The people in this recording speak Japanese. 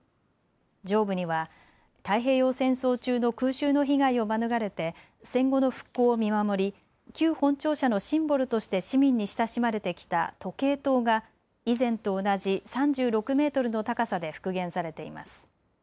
上部には太平洋戦争中の空襲の被害を免れて戦後の復興を見守り旧本庁舎のシンボルとして市民に親しまれてきた時計塔が以前と同じ３６メートルの高さで復元されています。